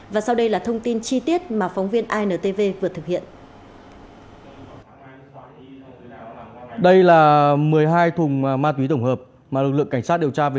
và sau đây là thông tin chi tiết mà phóng viên intv vừa nói về